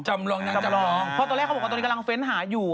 เพราะตอนแรกเขาบอกว่าตอนนี้กำลังเฟ้นท์หาอยู่